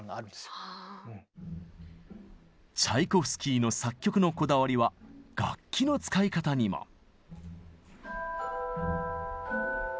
チャイコフスキーの作曲のこだわりは楽器の使い方にも。